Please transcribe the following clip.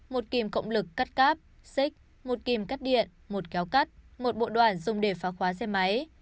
một kìm cộng lực cắt cáp xích một kìm cắt điện một kéo cắt một bộ đoạn dùng để phá khóa xe máy